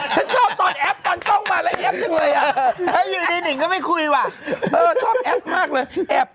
ฉันชอบตอนแอปตอนกล้องมาเลยแอบจริงเลยมะไม่คุยแวะชอบแอปมากเลยเนี้ย